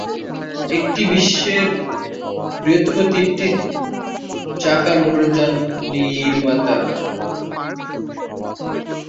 এটি বিশ্বের বৃহত্তম তিন-চাকার মোটরযান নির্মাতা।